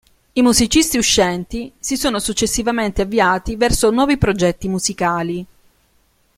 I musicisti uscenti si sono successivamente avviati verso nuovi progetti musicali.